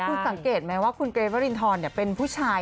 แต่คุณสังเกตไหมว่าคุณเกเบอร์ลินทร์เป็นผู้ชาย